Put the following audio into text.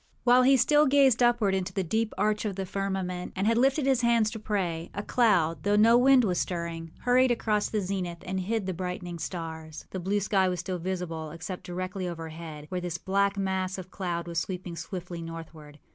While he still gazed upward into the deep arch of the firmament and had lifted his hands to pray, a cloud, though no wind was stirring, hurried across the zenith and hid the brightening stars. The blue sky was still visible, except directly overhead, where this black mass of cloud was sweeping swiftly northward.